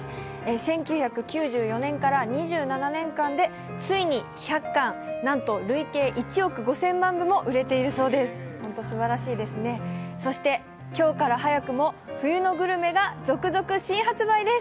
１９９４年から２７年間でついに１００巻、なんと累計１億５０００万部も売れているそうです。